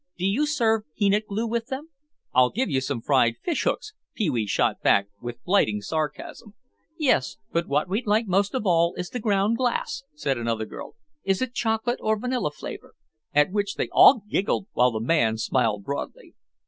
"Do you serve peanut glue with them?" "I'll give you some fried fish hooks," Pee wee shot back with blighting sarcasm. "Yes, but what we'd like most of all is the ground glass," said another girl. "Is it chocolate or vanilla flavor?" At which they all giggled, while the man smiled broadly.